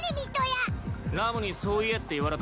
ラムにそう言えって言われたのか？